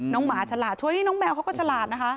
น้องหมาฉลาดช่วยก็น้องแมวเขาก็ชาลาดนะคะ